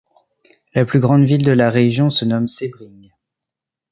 La plus grande ville de la région se nomme Sebring.